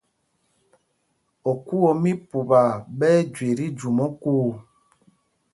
Okuu o mí Pupaa ɓɛ́ ɛ́ jüe tí jûm okuu.